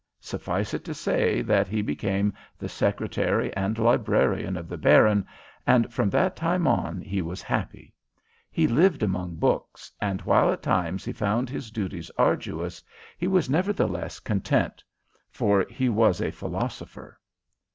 Suffice it to say that he became the secretary and librarian of the Baron, and from that time on he was happy. He lived among books, and while at times he found his duties arduous, he was nevertheless content, for he was a philosopher."